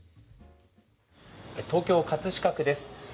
東京・葛飾区です。